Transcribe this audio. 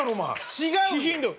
違う